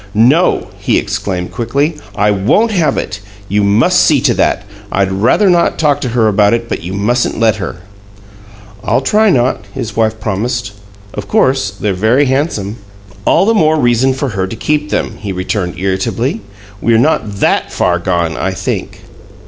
"No!" he exclaimed, quickly. "I won't have it! You must see to that. I'd rather not talk to her about it, but you mustn't let her." "I'll try not," his wife promised. "Of course, they're very handsome." "All the more reason for her to keep them!" he returned, irritably. "We're not THAT far gone, I think!"